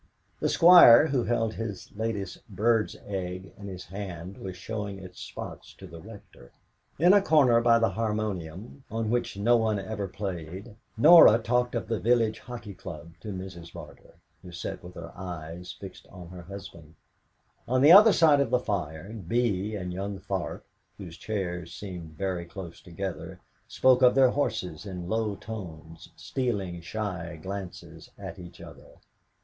The Squire, who held his latest bird's egg in his hand, was showing its spots to the Rector. In a corner by a harmonium, on which no one ever played, Norah talked of the village hockey club to Mrs. Barter, who sat with her eyes fixed on her husband. On the other side of the fire Bee and young Tharp, whose chairs seemed very close together, spoke of their horses in low tones, stealing shy glances at each other.